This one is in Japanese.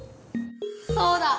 そうだ！